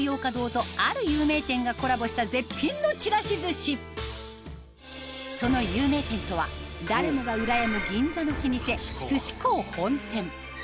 とある有名店がコラボしたその有名店とは誰もがうらやむ銀座の老舗